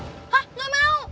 hah gak mau